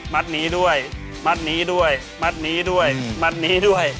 นี้ด้วยมัดนี้ด้วยมัดนี้ด้วยมัดนี้ด้วย